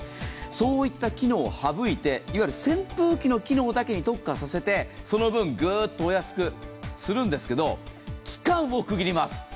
そういった機能を省いて、いわゆる扇風機の機能だけに特化させてその分ぐっとお安くするんですけど、期間を区切ります。